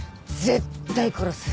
絶対殺す。